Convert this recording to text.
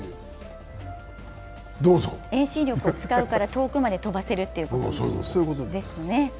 遠心力を使うから遠くまで飛ばせるということですね。